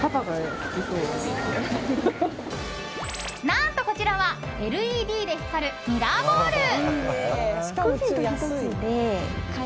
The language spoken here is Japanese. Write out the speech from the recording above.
何とこちらはＬＥＤで光るミラーボール。